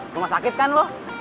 rumah sakit kan lo